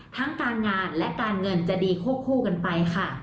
ทั้งการงานและการเงินจะดีควบคู่กันไปค่ะ